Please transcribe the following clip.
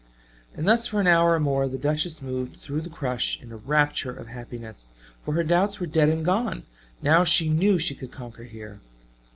And thus for an hour or more the Duchess moved through the crush in a rapture of happiness, for her doubts were dead and gone, now she knew she could conquer here.